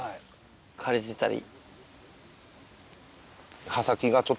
枯れてたり。